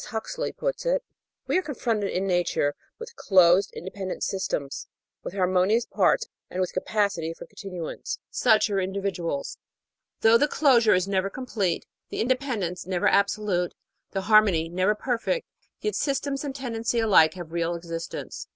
Huxley, puts it, we are confronted in Nature with closed independent systems with harmonious parts and with capacity for continuance. Such 708 The Outline of Science are individuals. "Though the closure is never complete, the inde pendence never absolute, the harmony never perfect, yet systems and tendency alike have real existence."